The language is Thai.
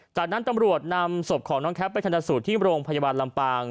จากนั้นตำรวจนำศพของน้องแคปไปธนสูตรที่โรงพยาบาลลำปาง